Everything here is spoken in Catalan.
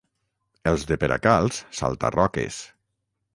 Els de Peracalç, salta-roques.